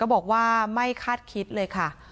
บอกว่าไม่คาดคิดเลยค่ะ